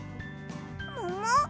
もも？